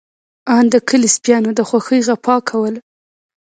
آن د کلي سپيانو د خوښۍ غپا کوله.